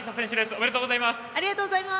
ありがとうございます。